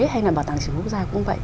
hay là bảo tàng chủ quốc gia cũng vậy